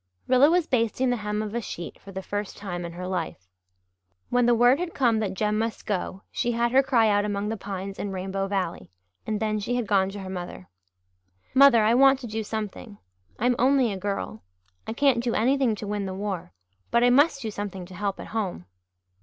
Rilla was basting the hem of a sheet for the first time in her life. When the word had come that Jem must go she had her cry out among the pines in Rainbow Valley and then she had gone to her mother. "Mother, I want to do something. I'm only a girl I can't do anything to win the war but I must do something to help at home."